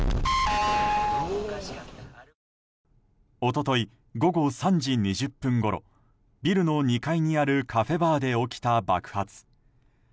一昨日午後３時２０分ごろビルの２階にあるカフェバーで起きた爆発。